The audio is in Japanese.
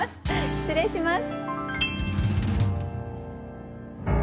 失礼します。